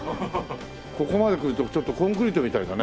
ここまでくるとちょっとコンクリートみたいだね。